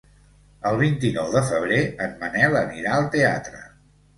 El vint-i-nou de febrer en Manel anirà al teatre.